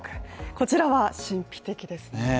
こちらは神秘的ですね。